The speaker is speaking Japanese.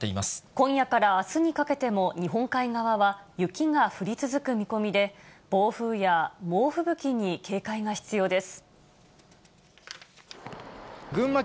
今夜からあすにかけても、日本海側は雪が降り続く見込みで、暴風や猛吹雪に警戒が必要です。